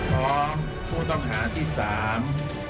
พร้อมผู้ต้องหาที่สาม